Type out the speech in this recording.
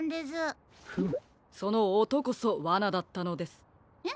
フムそのおとこそワナだったのです。え？